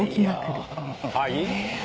はい？